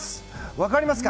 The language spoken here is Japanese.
分かりますか？